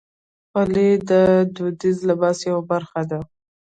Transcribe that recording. خولۍ د دودیز لباس یوه برخه ده.